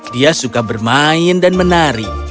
dia suka bermain dan menari